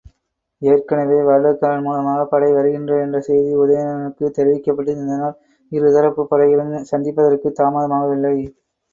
ஏற்கெனவே வருடகாரன் மூலமாகப் படை வருகின்றது என்ற செய்தி உதயணனுக்குத் தெரிவிக்கப் பட்டிருந்ததனால் இருதரப்புப் படைகளும் சந்திப்பதற்கும் தாமதமாகவில்லை.